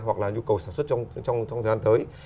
hoặc là nhu cầu sản xuất trong thời gian tới